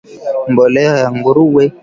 mbolea ya nguruwe